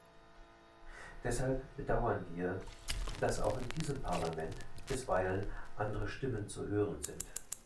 Deshalb bedauern wir, dass auch in diesem Parlament bisweilen andere Stimmen zu hören sind.